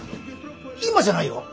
今じゃないよ